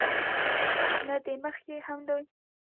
دې نه مخکښې هم دوي